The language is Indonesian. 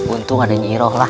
untung ada nyiiroh lah